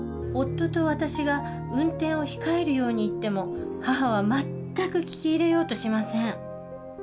夫と私が運転を控えるように言っても母は全く聞き入れようとしません。